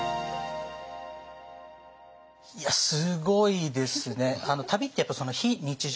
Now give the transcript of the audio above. いやすごいですね。